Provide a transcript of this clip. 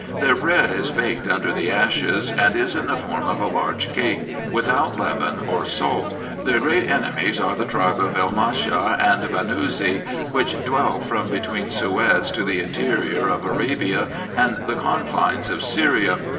Their bread is baked under the ashes, and is in the form of a large cake, without leaven or salt. Their great enemies were the tribe of El Mahasa and Banousy, which dwell from between Suez to the interior of Arabia and the confines of Syria.